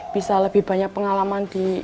bisa lebih banyak pengalaman di